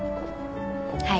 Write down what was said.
はい。